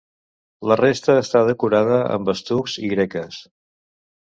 La resta està decorada amb estucs i greques.